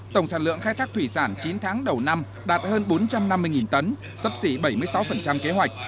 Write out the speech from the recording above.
tổng sản lượng khai thác thủy sản chín tháng đầu năm đạt hơn bốn trăm năm mươi tấn sấp xỉ bảy mươi sáu kế hoạch